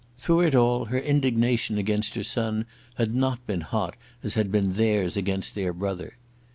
Through it all her indignation against her son had not been hot as had been theirs against their brother.